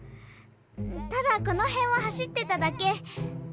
ただこのへんを走ってただけ。